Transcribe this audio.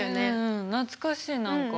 懐かしい何か。